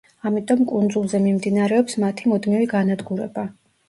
ამიტომ კუნძულზე მიმდინარეობს მათი მუდმივი განადგურება.